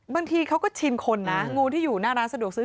บางทีเขาก็ชินคนนะงูที่อยู่หน้าร้านสะดวกซื้อ